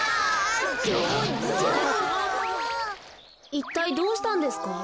いったいどうしたんですか？